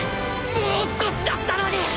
もう少しだったのに！